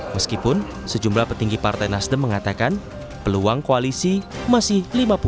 meskipun sejumlah petinggi partai nasdem mengatakan peluang koalisi masih lima puluh